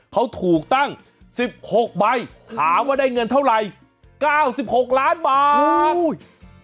เขาถูกตั้งสิบหกใบหาว่าได้เงินเท่าไหร่เก้าสิบหกล้านบาทอุ้ย